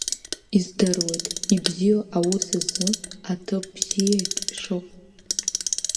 Издыруеит ибзиоу аус азы аҭыԥ бзиагь шыҟоу.